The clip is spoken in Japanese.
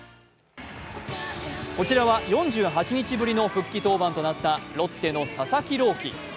こちらは４８日ぶりの復帰登板となったロッテの佐々木朗希。